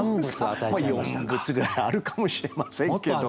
四物ぐらいあるかもしれませんけど。